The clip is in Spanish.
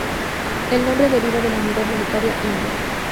El nombre deriva de la unidad monetaria india.